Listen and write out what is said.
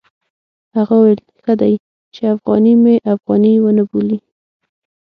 هغه وویل ښه دی چې افغاني مې افغاني ونه بولي.